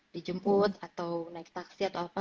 dijemput atau naik taksi atau apa